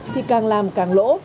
thì càng làm càng lỗ